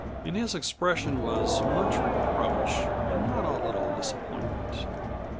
In his expression was much reproach and not a little disappointment.